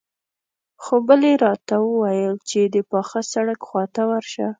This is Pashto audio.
خو بلې راته وويل چې د پاخه سړک خواته ورشه.